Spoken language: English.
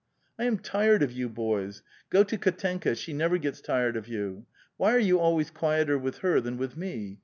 ''I am tired of 3'ou boysi Go to Kdtenka; she never gets tired of you. Why are 30U always quieter with her than with me